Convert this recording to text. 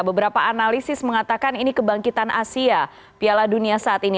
beberapa analisis mengatakan ini kebangkitan asia piala dunia saat ini